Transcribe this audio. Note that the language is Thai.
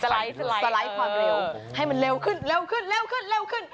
สไลด์ความเร็วให้มันเร็วขึ้นเร็วขึ้นเร็วขึ้นเร็วขึ้น